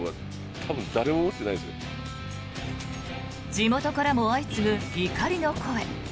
地元からも相次ぐ怒りの声。